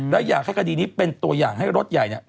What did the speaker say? และอยากให้คดีนี้เป็นตัวอย่างให้รถใหญ่เนี่ย